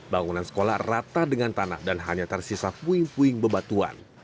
bangunan sekolah rata dengan tanah dan hanya tersisa puing puing bebatuan